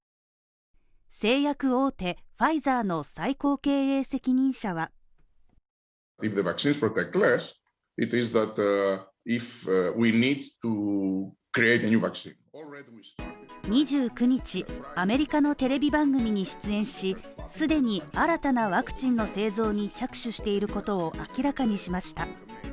製薬大手ファイザーの最高経営責任者は２９日、アメリカのテレビ番組に出演し、既に新たなワクチンの製造に着手していることを明らかにしました。